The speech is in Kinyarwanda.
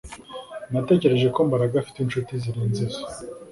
Natekereje ko Mbaraga afite inshuti zirenze izo